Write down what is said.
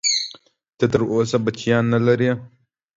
ته تر اوسه بچیان نه لرې؟